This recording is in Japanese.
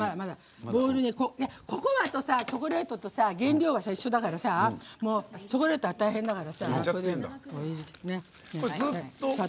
ココアパウダーとチョコレートは原料は一緒だからさチョコレートは大変だから。